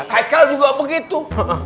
haikal juga begitu